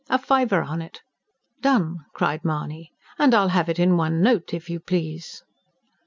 A fiver on it!" "Done!" cried Mahony. "And I'll have it in one note, if you please!"